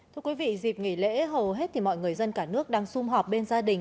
thưa quý vị dịp nghỉ lễ hầu hết thì mọi người dân cả nước đang xung họp bên gia đình